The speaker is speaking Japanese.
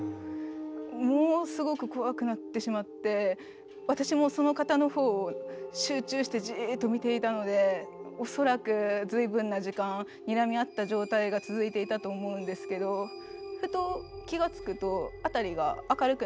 ものすごく怖くなってしまって私もその方の方を集中してじっと見ていたので恐らく随分な時間にらみ合った状態が続いていたと思うんですけどふと気が付くと辺りが明るくなったんですよ。